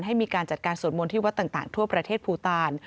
ให้มีการจัดการสวดมนต์ที่วัดต่างทั่วประเทศภูตาล